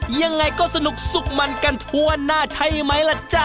ยังไงก็สนุกสุขมันกันทั่วหน้าใช่ไหมล่ะจ๊ะ